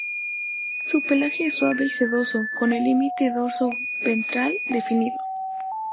Su pelaje es suave y sedoso, con el límite dorso-ventral definido.